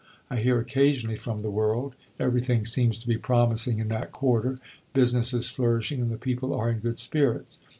I hear occasionally from the World; everything seems to be promising in that quarter; business is flourishing, and the people are in good spirits.